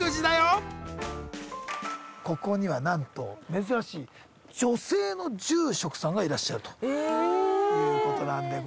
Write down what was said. ここにはなんと珍しい女性の住職さんがいらっしゃるということなんでございます